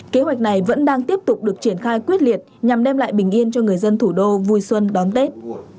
kế hoạch này vẫn đang tiếp tục được triển khai quyết liệt nhằm đem lại bình yên cho người dân thủ đô vui xuân đón tết